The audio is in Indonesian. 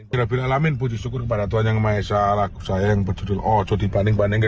saya beranak lamin puji syukur kepada tuhan yang maha esa lagu saya yang berjudul ojo di bandingke